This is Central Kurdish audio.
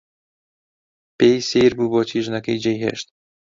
پێی سەیر بوو بۆچی ژنەکەی جێی هێشت.